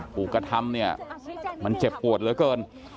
ถูกกระทำเนี่ยมันเจ็บปวดเหลือเกิน